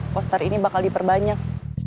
poster ini bakal diperbanyak